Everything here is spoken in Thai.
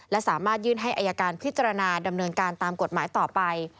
และสามารถยื่นให้อายการพิจารณาดำเนินการตามกฎหมายต่อไป